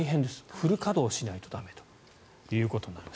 フル稼働しないと駄目ということになります。